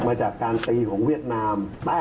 ก็ถอนจากภารกิจที่ตาพยา